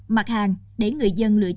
mặt hàng để người dân